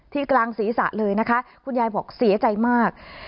กลางศีรษะเลยนะคะคุณยายบอกเสียใจมาก